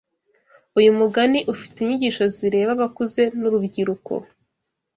Uyu mugani ufite inyigisho zireba abakuze n’urubyiruko.